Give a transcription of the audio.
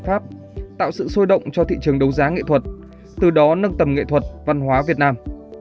pháp tạo sự sôi động cho thị trường đấu giá nghệ thuật từ đó nâng tầm nghệ thuật văn hóa việt nam